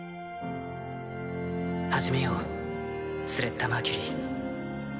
始めようスレッタ・マーキュリー。